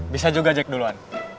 bisa juga jack duluan